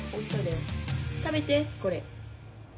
食べてこれ。